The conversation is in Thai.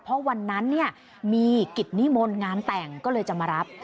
เพราะวันนั้นเนี่ยมีกิจนิมนต์งานแต่งก็เลยจะมารับ